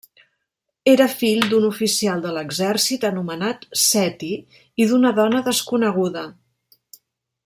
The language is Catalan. Era fill d'un oficial de l'exèrcit anomenat Seti i d'una dona desconeguda.